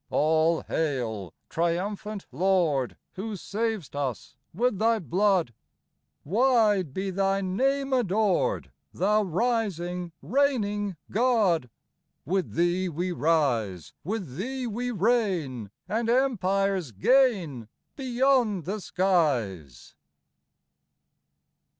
All hail, triumphant Lord, Who sav'st us with Thy blood ! Wide be Thy name adored, Thou rising, reigning God ! With Thee we rise, With Thee we reign, And empires gain Beyond the skies.